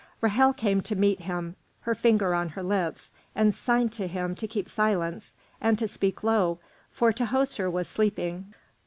Ra'hel came to meet him, her finger on her lips, and signed to him to keep silence and to speak low, for Tahoser was sleeping.